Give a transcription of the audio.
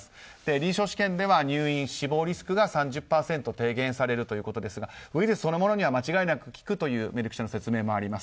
臨床試験では入院・死亡リスクが３０％低く減ると提言されるということですがウイルスそのものには間違いなく効くというメルク社の説明もあります。